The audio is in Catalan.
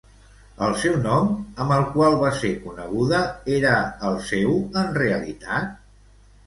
El seu nom, amb el qual va ser coneguda, era el seu en realitat?